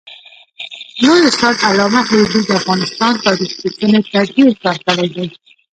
لوی استاد علامه حبیبي د افغانستان تاریخ لیکني ته ډېر کار کړی دی.